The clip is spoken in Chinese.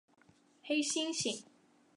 黑猩猩。